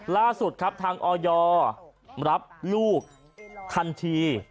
ล่าสุดครับทางออยรับลูกทันที